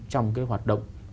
trong cái hoạt động